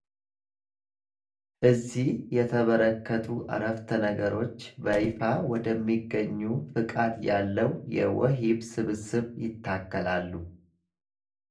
እዚህ የተበረከቱ ዓረፍተ-ነገሮች በይፋ ወደሚገኝ ፈቃድ ያለው የውሂብ ስብስብ ይታከላሉ።